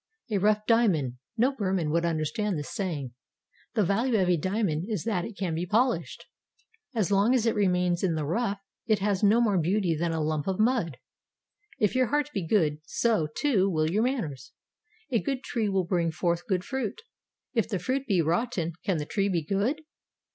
'A rough diamond;' no Burman would understand this saying. The value of a diamond is that it can be polished. As long as it remains in the rough, it has no more beauty than a lump of mud. If your heart be good, so, too, will be your manners. A good tree will bring forth good fruit. If the fruit be rotten, can the tree be good?